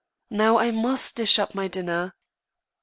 Now, I must dish up my dinner."